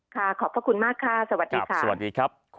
ค่ะขอบพบคุณมากค่ะสวัสดีค่ะ